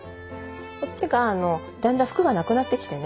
こっちがだんだん服がなくなってきてね。